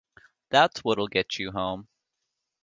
That's what'll get you home.